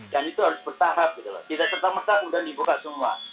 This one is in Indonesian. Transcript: dan itu harus bertahap gitu loh tidak serta merta sudah dibuka semua